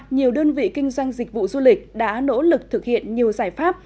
nhiều đơn vị kinh doanh dịch vụ du lịch đã nỗ lực thực hiện nhiều giải pháp